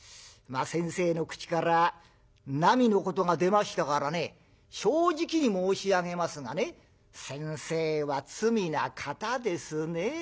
先生の口からなみのことが出ましたからね正直に申し上げますがね先生は罪な方ですね。